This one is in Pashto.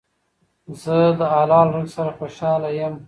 زه له حلال رزق سره خوشحاله یم.